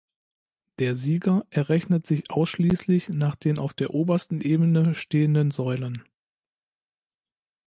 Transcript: Der Sieger errechnet sich ausschließlich nach den auf der obersten Ebene stehenden Säulen.